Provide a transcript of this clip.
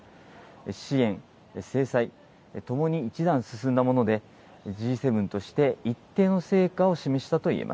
支援、制裁、ともに一段進んだもので、Ｇ７として一定の成果を示したといえ